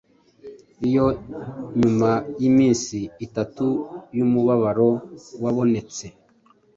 Iyo nyuma yiminsi itatu yumubabaro wabonetse,